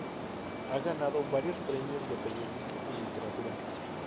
Ha ganado varios premios de periodismo y literatura.